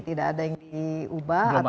tidak ada yang diubah atau